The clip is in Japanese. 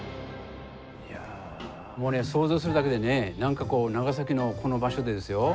いやもうね想像するだけでね何かこう長崎のこの場所でですよ。